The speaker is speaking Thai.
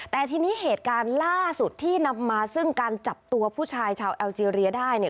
แต่ทีนี้เหตุการณ์ล่าสุดที่นำมาซึ่งการจับตัวผู้ชายชาวแอลเจรียได้เนี่ย